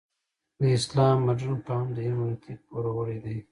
د اسلام مډرن فهم د هرمنوتیک پوروړی دی.